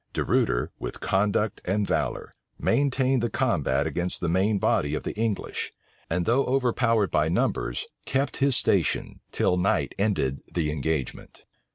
De Ruyter, with conduct and valor, maintained the combat against the main body of the English; and, though overpowered by numbers, kept his station, till night ended the engagement.